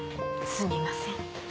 すみません。